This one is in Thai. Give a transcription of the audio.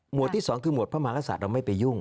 หมวดที่สองคือหมวดพระมากษัตริย์เราไม่ไปยุ่ง